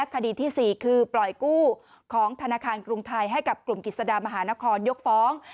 คดีที่๔คือปล่อยกู้ของธนาคารกรุงไทยให้กับกลุ่มกิจสดามหานครยกฟ้อง